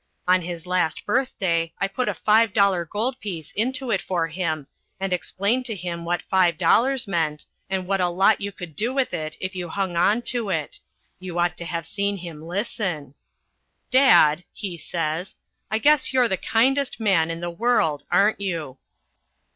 On his last birthday I put a five dollar gold piece into it for him and explained to him what five dollars meant, and what a lot you could do with it if you hung on to it. You ought to have seen him listen. "Dad," he says, "I guess you're the kindest man in the world, aren't you?"